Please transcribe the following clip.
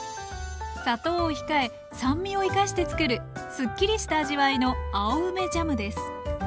砂糖を控え酸味を生かして作るすっきりした味わいの青梅ジャムです